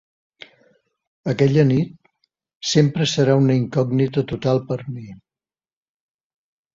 Aquella nit sempre serà una incògnita total per a mi.